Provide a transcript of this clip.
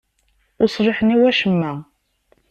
Ur ṣliḥen i wacemma.